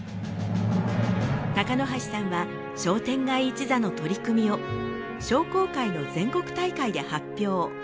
鷹箸さんは商店街一座の取り組みを商工会の全国大会で発表。